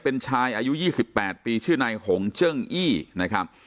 เป็นชายอายุยี่สิบแปดปีชื่อในหงเจิ่งอี้นะครับ